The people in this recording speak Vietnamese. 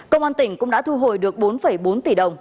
cơ quan tỉnh cũng đã thu hồi được bốn bốn tỷ đồng